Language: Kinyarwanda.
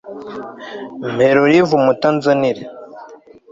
Mpera oliva umuti anzanire